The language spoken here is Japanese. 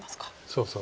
そうそう。